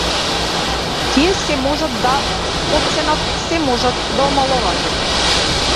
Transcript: Тие сѐ можат да потценат, сѐ можат да омаловажат.